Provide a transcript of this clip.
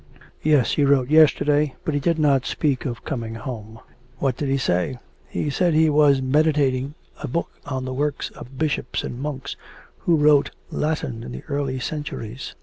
'Yes, he wrote yesterday, but he did not speak of coming home.' 'What did he say?' 'He said he was meditating a book on the works of bishops and monks who wrote Latin in the early centuries.